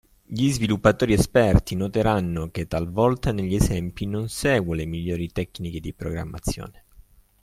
Gli sviluppatori esperti noteranno che talvolta negli esempi non seguo le migliori tecniche di programmazione.